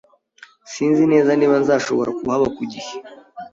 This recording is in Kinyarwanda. Sinzi neza niba nzashobora kuhaba ku gihe.